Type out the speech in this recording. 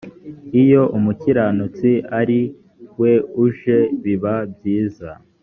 iyo umukiranutsi ari we uje biba byiza